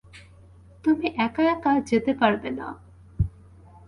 তুমি একা একা যেতে পারবে না!